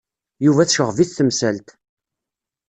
Yuba tecɣeb-it temsalt.